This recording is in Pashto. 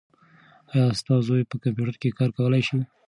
ایا ستا زوی په کمپیوټر کې کار کولای شي؟